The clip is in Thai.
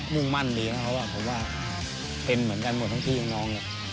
มุ่งมั่นดีเพราะว่ากันเหมือนกันทั้งพี่ทั้งน้อง